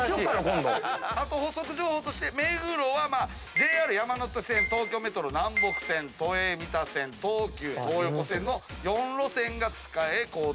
あと補足情報として目黒はＪＲ山手線東京メトロ南北線都営三田線東急東横線の４路線が使え交通の便が高いと。